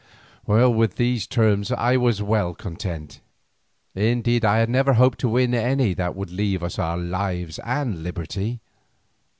With these terms I was well content, indeed I had never hoped to win any that would leave us our lives and liberty.